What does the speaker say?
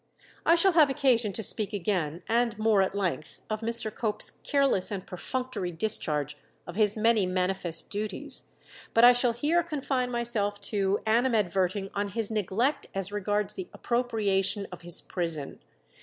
I shall have occasion to speak again, and more at length, of Mr. Cope's careless and perfunctory discharge of his many manifest duties, but I shall here confine myself to animadverting on his neglect as regards the appropriation of his prison.